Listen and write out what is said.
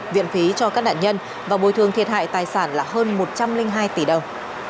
viện phí cho các nạn nhân và bồi thường thiệt hại tài sản là hơn một trăm linh hai tỷ đồng